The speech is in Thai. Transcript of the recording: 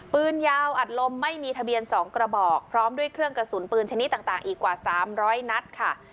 ปืนยาวอัดลมไม่มีทะเบียน๒กระบอกพร้อมด้วยเครื่องกระสุนปืนชนิดต่างอีกกว่า๓๐๐นัดค่ะ